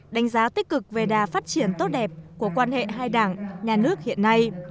đánh giá tích cực về đà phát triển tốt đẹp của quan hệ hai đảng nhà nước hiện nay